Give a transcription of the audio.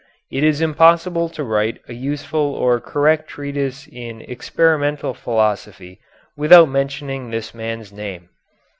It is impossible to write a useful or correct treatise in experimental philosophy without mentioning this man's name.